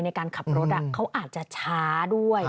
ในการขับรถเขาอาจจะช้าด้วย